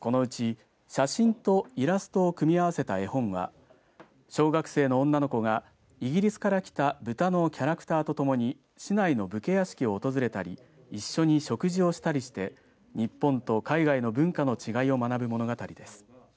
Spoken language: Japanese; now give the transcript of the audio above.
このうち、写真とイラストを組み合わせた絵本は小学生の女の子がイギリスから来た豚のキャラクターとともに市内の武家屋敷を訪れたり一緒に食事をしたりして日本と海外の文化の違いを学ぶ物語です。